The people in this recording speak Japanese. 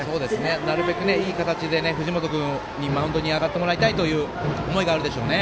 なるべく、いい形で藤本君にマウンドに上がってもらいたいという思いがあるでしょうね。